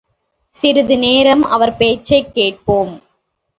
சிறிது நேரம் அவர் பேச்சைக் கேட்டோம்.